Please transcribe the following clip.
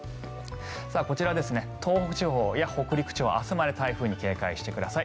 こちら、東北地方や北陸地方は明日まで台風に警戒してください。